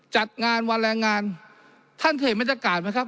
จัดงานวันแรงงานท่านเขตมันจัดการไหมครับ